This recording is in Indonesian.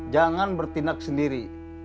jangan bertindak sendiri